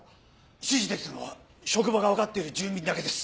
指示できたのは職場がわかっている住民だけです。